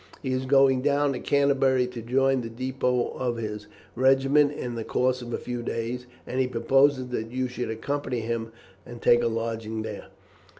He is going down to Canterbury to join the depôt of his regiment in the course of a few days, and he proposes that you should accompany him and take a lodging there."